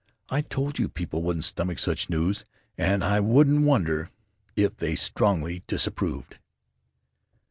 I told you people wouldn't stomach such news, and I wouldn't wonder if they strongly disapproved."